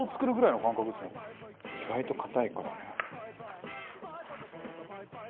意外と硬いからな。